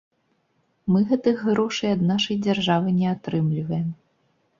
Мы гэтых грошай ад нашай дзяржавы не атрымліваем.